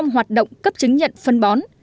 hoạt động cấp chứng nhận phân bón